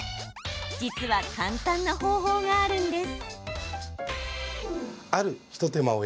実は、簡単な方法があるんです。